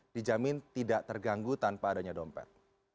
dijamin tidak terganggu tanpa adanya dompet